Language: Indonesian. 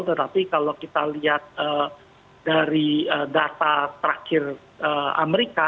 tetapi kalau kita lihat dari data terakhir amerika